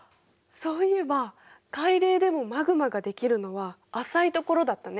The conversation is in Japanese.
そういえば海嶺でもマグマができるのは浅いところだったね。